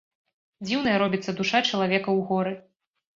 Дзіўнай робіцца душа чалавека ў горы.